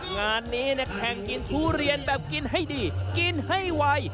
งานนี้แข่งกินทุเรียนแบบกินให้ดีกินให้ไว